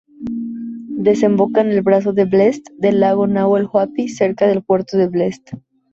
Desemboca en el brazo Blest del lago Nahuel Huapi, cerca de Puerto Blest.